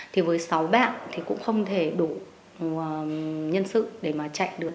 thì với sáu bạn thì cũng không thể đủ nhân sự để mà chạy được